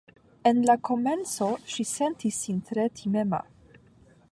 En la komenco ŝi sentis sin tre timema.